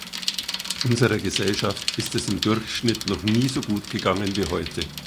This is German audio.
Unserer Gesellschaft ist es im Durchschnitt noch nie so gut gegangen wie heute.